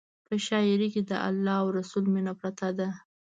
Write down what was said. په شاعرۍ کې د الله او رسول مینه پرته ده.